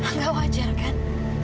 nggak wajar kan